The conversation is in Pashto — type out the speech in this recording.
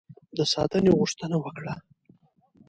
د ساتنې غوښتنه وکړه.